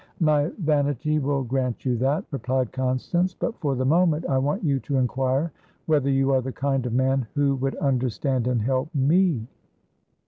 "My vanity will grant you that," replied Constance. "But for the moment I want you to inquire whether you are the kind of man who would understand and help me.